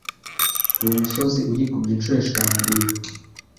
Uwo musozi urikubye inshuro eshanu uyu.